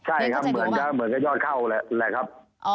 ใช่ครับเหมือนกับยอดเข้าแหละครับ